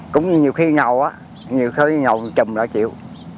cũng như nhiều khi ngầu á nhiều khi ngầu trùm rồi chịu